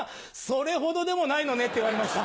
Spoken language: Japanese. それほどでもないのね」って言われました。